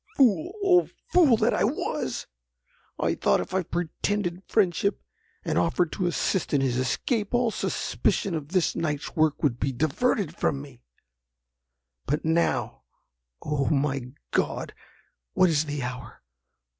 "Fool! oh! fool that I was! I thought if I pretended friendship, and offered to assist in his escape, all suspicion of this night's work would be diverted from me. But now—oh! my God! What is the hour?